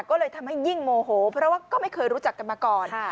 ก็เลยทำให้ยิ่งโมโหเพราะว่าก็ไม่เคยรู้จักกันมาก่อน